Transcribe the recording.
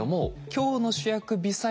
今日の主役微細